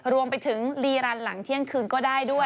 รวมไปถึงลีรันหลังเที่ยงคืนก็ได้ด้วย